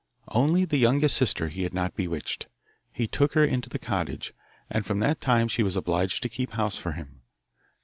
Only the youngest sister he had not bewitched. He took her into the cottage, and from that time she was obliged to keep house for him.